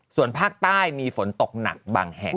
ส่วนภาคใต้มีฝนตกหนักบางแห่ง